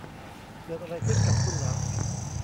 เกิดอะไรขึ้นกับคุณหรอ